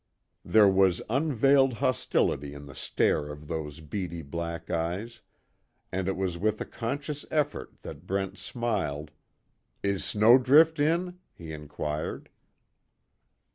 There was unveiled hostility in the stare of those beady black eyes, and it was with a conscious effort that Brent smiled: "Is Snowdrift in?" he inquired.